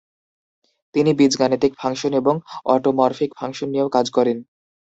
তিনি বীজগাণিতিক ফাংশন এবং অটোমরফিক ফাংশন নিয়েও কাজ করেন।